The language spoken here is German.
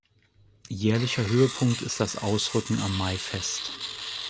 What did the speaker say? Jährlicher Höhepunkt ist das Ausrücken am Maifest.